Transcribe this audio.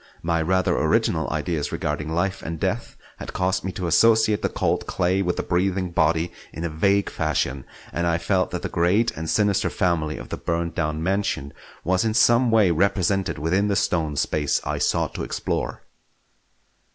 My rather original ideas regarding life and death had caused me to associate the cold clay with the breathing body in a vague fashion; and I felt that the great and sinister family of the burned down mansion was in some way represented within the stone space I sought to explore.